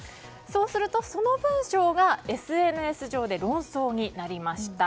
そうすると、その文章がＳＮＳ上で論争になりました。